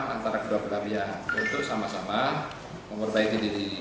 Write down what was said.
antara kedua perabian untuk sama sama memperbaiki diri